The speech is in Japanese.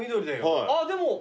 あぁでも。